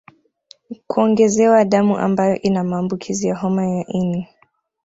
Kuongezewa damu ambayo ina maambukizi ya homa ya ini